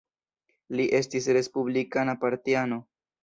Li estis respublikana partiano.